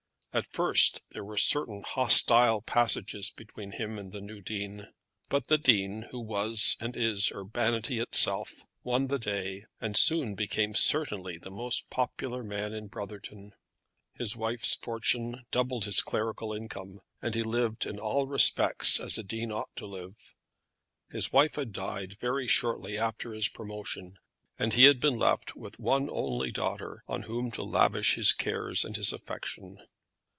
At first there were certain hostile passages between him and the new dean. But the Dean, who was and is urbanity itself, won the day, and soon became certainly the most popular man in Brotherton. His wife's fortune doubled his clerical income, and he lived in all respects as a dean ought to live. His wife had died very shortly after his promotion, and he had been left with one only daughter on whom to lavish his cares and his affection.